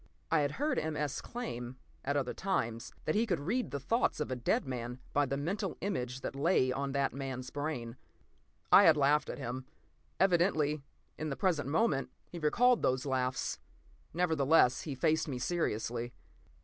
I had heard M. S. claim, at other times, that he could read the thoughts of a dead man by the mental image that lay on that man's brain. I had laughed at him. Evidently, in the present moment, he recalled those laughs. Nevertheless, he faced me seriously.